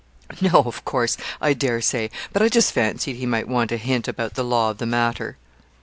'No, of course I dare say but I just fancied he might want a hint about the law of the matter.'